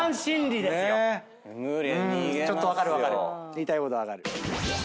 言いたいこと分かる。